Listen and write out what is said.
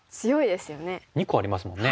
２個ありますもんね。